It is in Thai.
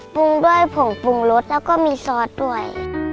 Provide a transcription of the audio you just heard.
ปรุงด้วยผงปรุงรสแล้วก็มีซอสด้วย